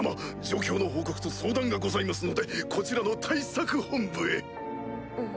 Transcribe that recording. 状況の報告と相談がございますのでこちらの対策本部へ。